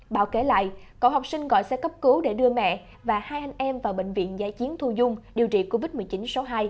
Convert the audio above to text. bão kể lại cậu học sinh gọi xe cấp cứu để đưa mẹ và hai anh em vào bệnh viện giá chiến thu dung điều trị covid một mươi chín số hai